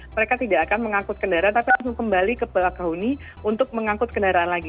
mereka tidak akan mengangkut kendaraan tapi harus kembali ke bekahuni untuk mengangkut kendaraan lagi